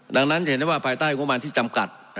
ดังนั้นจะเห็นได้ว่าภายใต้งบประมาณที่จำกัด